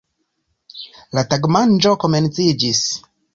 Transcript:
La tagmanĝo komenciĝis.